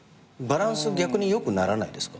バランス逆によくならないですか？